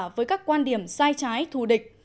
với các quan điểm sai trái thù địch